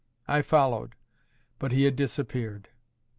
I followed, but he had disappeared.